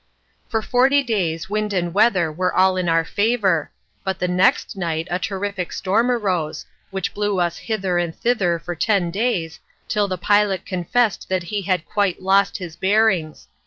For forty days wind and weather were all in our favour, but the next night a terrific storm arose, which blew us hither and thither for ten days, till the pilot confessed that he had quite lost his bearings.